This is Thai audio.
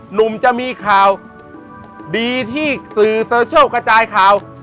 หนุ่มจะมีข่าวดีที่สื่อโซเชียลกระจายข่าว